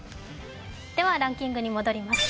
では、ランキングに戻ります。